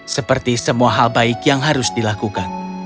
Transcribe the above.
seperti semua hal baik yang harus dilakukan